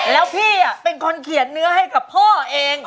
แล้วพี่เป็นคนเขียนเนื้อให้กับพ่อเอง